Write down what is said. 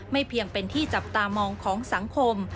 เพียงเป็นที่จับตามองของสังคม